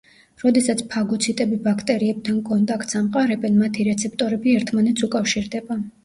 როდესაც ფაგოციტები ბაქტერიებთან კონტაქტს ამყარებენ, მათი რეცეპტორები ერთმანეთს უკავშირდება.